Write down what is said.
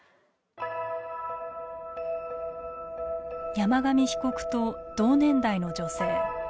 山上被告と同年代の女性。